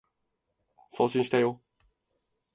送信したよ